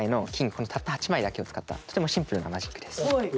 このたった８枚だけを使ったとてもシンプルなマジックです。